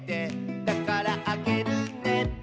「だからあげるね」